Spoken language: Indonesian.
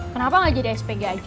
kenapa gak jadi spg aja